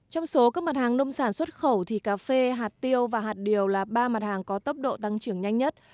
trong số các mặt hàng nông sản xuất khẩu thì cà phê hạt tiêu và hạt điều là ba mặt hàng có tốc độ tăng trưởng nhanh nhất